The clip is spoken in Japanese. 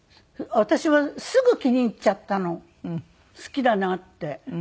私はすぐ気に入っちゃったの好きだなって。